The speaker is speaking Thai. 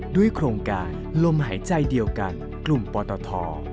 โครงการลมหายใจเดียวกันกลุ่มปตท